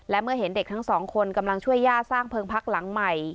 และเมื่อเห็นเด็กทั้งสองคนกำลังช่วยย่าสร้างเพลิงพักหลังใหม่